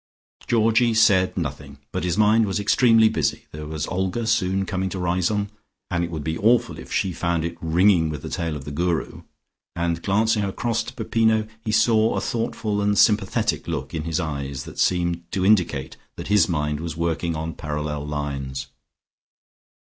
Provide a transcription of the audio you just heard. Georgie said nothing, but his mind was extremely busy. There was Olga soon coming to Riseholme, and it would be awful if she found it ringing with the tale of the Guru, and glancing across to Peppino, he saw a thoughtful and sympathetic look in his eyes, that seemed to indicate that his mind was working on parallel lines.